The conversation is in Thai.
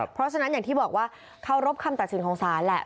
เพราะฉะนั้นอย่างที่บอกว่าเคารพคำตัดสินของศาลแหละ